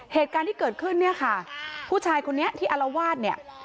เหตุการณ์ที่เกิดขึ้นค่ะผู้ชายคนนี้ที่อลาวาส